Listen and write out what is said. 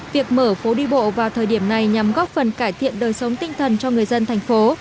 việc mở phố đi bộ vào thời điểm này nhằm góp phần cải thiện đời sống tinh thần cho người dân thành phố